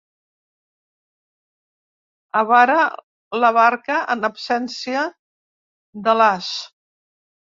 Avara la barca en absència de l'as.